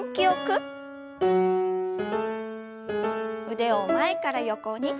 腕を前から横に。